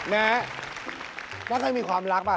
แม่แล้วเคยมีความรักป่ะ